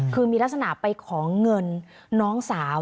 คือมีลักษณะไปของเงินน้องสาว